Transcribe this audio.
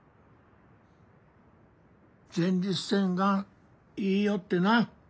「前立腺がん」言いよってな